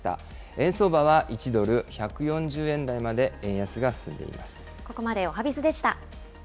円相場は１ドル１４０円台まで円安が進んでいます。